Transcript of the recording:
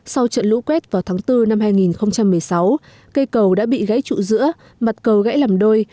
sau trận lũ quét vào tháng bốn năm hai nghìn một mươi sáu cây cầu đã bị gãy trụ giữa mặt cầu gãy làm đôi